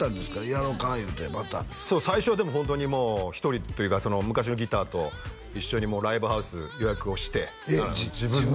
やろうか言うてまたそう最初はでもホントに１人というか昔のギターと一緒にライブハウス予約をしてえっ自分で？